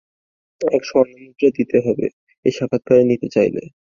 এক স্বর্ণমুদ্রা দিতে হবে এই সাক্ষাৎকার নিতে চাইলে।